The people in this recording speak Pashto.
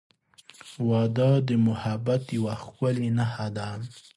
• واده د محبت یوه ښکلی نښه ده.